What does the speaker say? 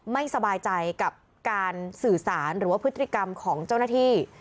ไม่สบายใจกับการสื่อสารหรือว่าพฤติกรรมของเจ้าหน้าที่